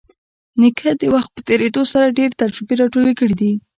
نیکه د وخت په تېرېدو سره ډېرې تجربې راټولې کړي دي.